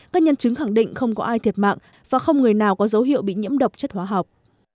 các nhân chứng khẳng định không có ai thiệt mạng và không người nào có dấu hiệu bị nhiễm độc chất hóa học